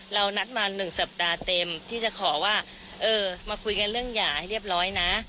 เรานัดมา๑สัปดาห์เต็มที่จะขอว่าเออมาคุยกันเรื่องหย่าให้เรียบร้อยนะ